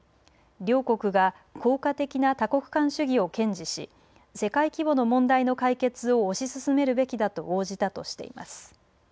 両国が効果的な多国間主義を堅持し世界規模の問題の解決を推し進めるべきだと応じたとしています。